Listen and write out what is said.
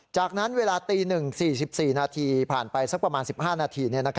จากนั้นเวลาตี๑๔๔นาทีผ่านไปสักประมาณ๑๕นาที